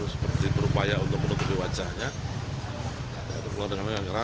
seperti berupaya untuk menutupi wajahnya